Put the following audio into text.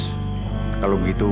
kalau begitu kita harus berhenti